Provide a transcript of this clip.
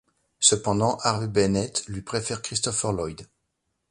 Cependant, Harve Bennett lui préfère Christopher Lloyd.